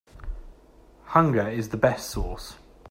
Hunger is the best sauce.